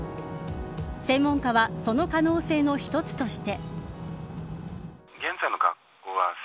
専門家はその可能性の一つとして。